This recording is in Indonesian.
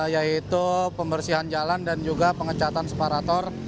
yaitu pembersihan jalan dan juga pengecatan separator